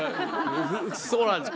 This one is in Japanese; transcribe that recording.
そうなんです。